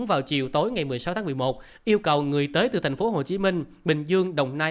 vào chiều tối ngày một mươi sáu tháng một mươi một yêu cầu người tới từ thành phố hồ chí minh bình dương đồng nai